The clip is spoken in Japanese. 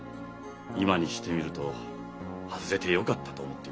今にしてみると外れてよかったと思っています。